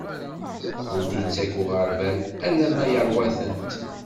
Ur d-ittak uɣerbal, alamma iṛwa-tent.